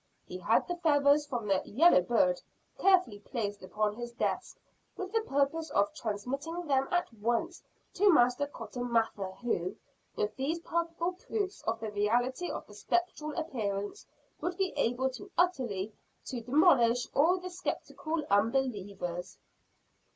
He had the feathers from the "yellow bird" carefully placed upon his desk, with the purpose of transmitting them at once to Master Cotton Mather who, with these palpable proofs of the reality of the spectral appearance would be able utterly to demolish all the skeptical unbelievers.